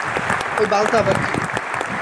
ঐ বালটা আবার কি?